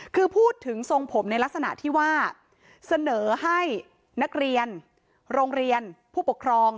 คือพูดถึงทรงผมในลักษณะที่ว่าเสนอให้นักเรียนโรงเรียนผู้ปกครอง